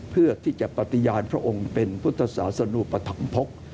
เพื่อที่จะปฏิญาณพระองค์เป็นพุทธศาสนุปธรรมภก